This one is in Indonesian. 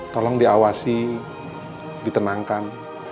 tolong diawasi ditenangkan